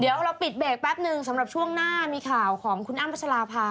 เดี๋ยวเราปิดเบรกแป๊บนึงสำหรับช่วงหน้ามีข่าวของคุณอ้ำพัชราภา